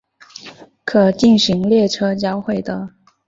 可进行列车交会的。